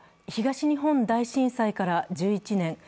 東日本大震災から１１年。